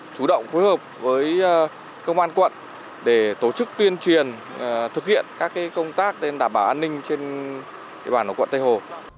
chủ động phối hợp với công an quận để tổ chức tuyên truyền thực hiện các công tác đảm bảo an ninh trên địa bàn của quận tây hồ